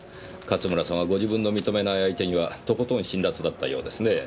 勝村さんはご自分の認めない相手にはとことん辛辣だったようですねぇ。